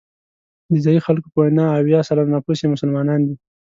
د ځایي خلکو په وینا اویا سلنه نفوس یې مسلمانان دي.